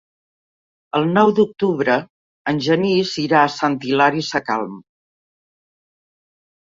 El nou d'octubre en Genís irà a Sant Hilari Sacalm.